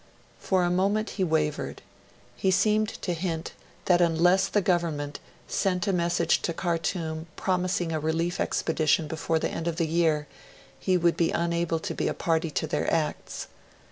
For a moment he wavered; he seemed to hint that unless the Government sent a message to Khartoum promising a relief expedition before the end of the year, he would be unable to be a party to their acts.